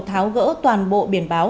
tháo gỡ toàn bộ biển báo